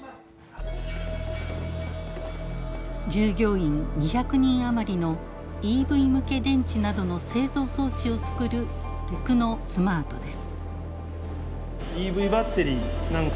従業員２００人余りのＥＶ向け電池などの製造装置をつくるテクノスマートです。